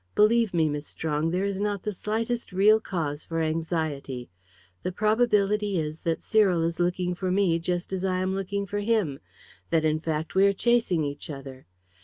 "Believe me, Miss Strong, there is not the slightest real cause for anxiety. The probability is that Cyril is looking for me, just as I am looking for him; that, in fact, we are chasing each other.